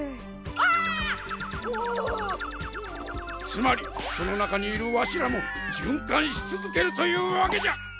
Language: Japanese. つまりその中にいるワシらも循環し続けるというわけじゃ。